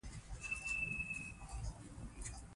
حروفي معماوي د تورو د قاطع کولو او ګومان کولو سره تړلي دي.